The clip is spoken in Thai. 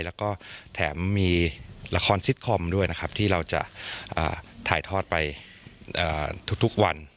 แล้วก็แถมมีละครซิตคอมด้วยนะครับที่เราจะถ่ายทอดไปทุกวัน